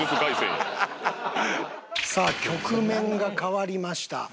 さあ局面が変わりました。